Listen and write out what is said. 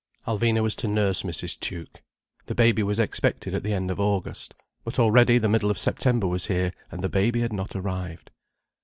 Alvina was to nurse Mrs. Tuke. The baby was expected at the end of August. But already the middle of September was here, and the baby had not arrived.